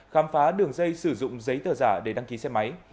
khám phá đường dây sử dụng giấy tờ giả để đăng ký xe máy